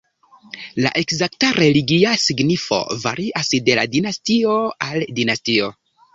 La ekzakta religia signifo varias de dinastio al dinastio.